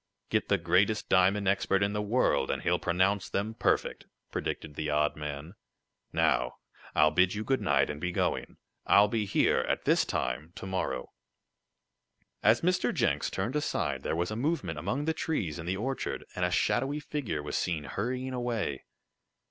"Get the greatest diamond expert in the world, and he'll pronounce them perfect!" predicted the odd man. "Now I'll bid you goodnight, and be going. I'll be here at this time to morrow." As Mr. Jenks turned aside there was a movement among the trees in the orchard, and a shadowy figure was seen hurrying away.